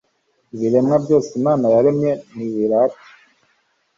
biremwa byose imana yaremye, nibirate